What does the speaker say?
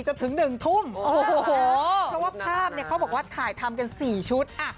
โอ้โหเพราะว่าภาพเขาบอกว่าถ่ายทำกัน๔ชุด